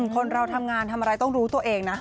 คนเราทำงานทำอะไรต้องรู้ตัวเองนะ